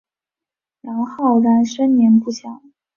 杨浩然生年不详。